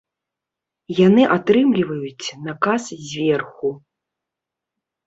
Яны атрымліваюць наказ зверху.